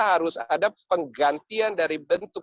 harus ada penggantian dari bentuk